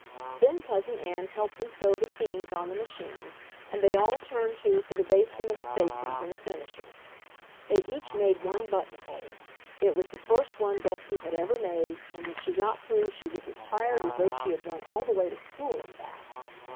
Then Cousin Ann helped them sew the seams on the machine, and they all turned to for the basting of the facings and the finishing. They each made one buttonhole. It was the first one Betsy had ever made, and when she got through she was as tired as though she had run all the way to school and back.